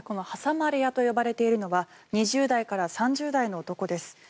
挟まれ屋と呼ばれているのは２０代から３０代の男です。